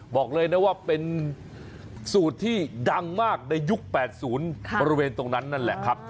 บอกเลยนะว่าเป็นสูตรที่ดังมากในยุค๘๐บริเวณตรงนั้นนั่นแหละครับ